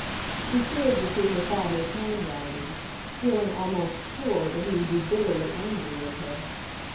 She feared to see her father's handwriting, feeling almost sure that he would be bitterly angry with her.